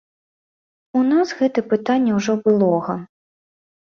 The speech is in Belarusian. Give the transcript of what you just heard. У нас гэта пытанне ўжо былога.